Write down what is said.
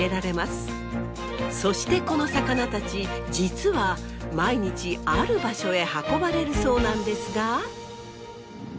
そしてこの魚たち実は毎日ある場所へ運ばれるそうなんですが。